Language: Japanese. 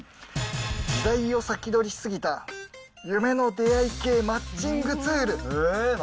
時代を先取りしすぎた夢の出会い系マッチングツール。